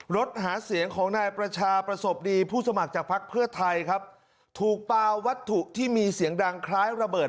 รถหาเสียงของนายประชาประสบดีผู้สมัครจากภักดิ์เพื่อไทยครับถูกปลาวัตถุที่มีเสียงดังคล้ายระเบิด